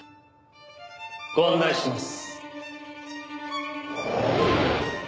ご案内します。